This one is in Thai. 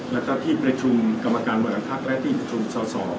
แล้วก็ที่ประชุมกรรมการบริหารภักดิ์และที่ประชุมสอสอ